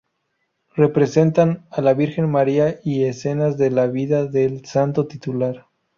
Representan a la Virgen María y escenas de la vida del santo titular.